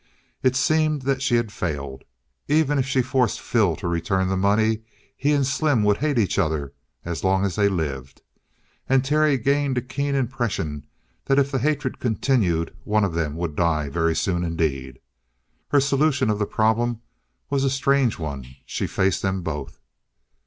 It seemed that she had failed. Even if she forced Phil to return the money, he and Slim would hate each other as long as they lived. And Terry gained a keen impression that if the hatred continued, one of them would die very soon indeed. Her solution of the problem was a strange one. She faced them both.